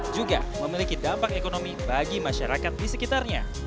juga memiliki dampak ekonomi bagi masyarakat di sekitarnya